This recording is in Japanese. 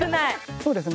そうですね